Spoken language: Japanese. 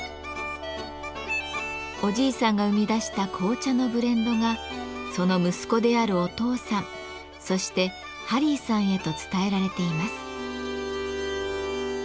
おじいさんが生み出した紅茶のブレンドがその息子であるお父さんそしてハリーさんへと伝えられています。